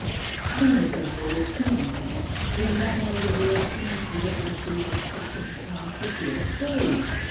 "Now," said Mavis, "come on back. We'll run all the way as soon as we get our shoes and stockings on for fear of colds."